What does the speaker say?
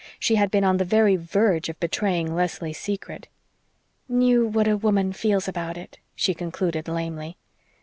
She had been on the very verge of betraying Leslie's secret. "Knew what a woman feels about it," she concluded lamely.